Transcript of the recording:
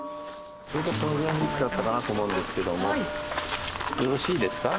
このぐらいの位置だったかなと思うんですけどもよろしいですか？